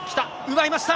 奪いました。